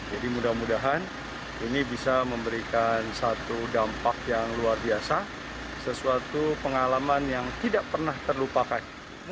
jadi mudah mudahan ini bisa memberikan satu dampak yang luar biasa sesuatu pengalaman yang tidak pernah terlupakan